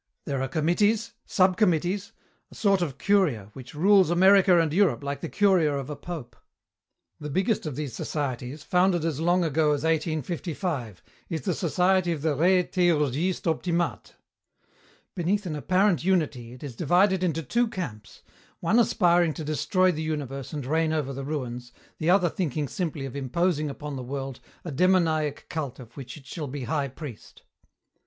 There are committees, subcommittees, a sort of curia, which rules America and Europe, like the curia of a pope. "The biggest of these societies founded as long ago as 1855 is the society of the Re Theurgistes Optimates. Beneath an apparent unity it is divided into two camps, one aspiring to destroy the universe and reign over the ruins, the other thinking simply of imposing upon the world a demoniac cult of which it shall be high priest.